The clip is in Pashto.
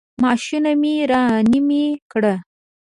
معشوقه مې رامنې کړه.